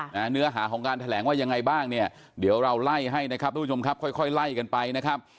เนื้อหาของการแถลงว่ายังไงบ้างเนี่ยเดี๋ยวเราไล่ให้นะครับทุกผู้ชมครับค่อยค่อยไล่กันไปนะครับ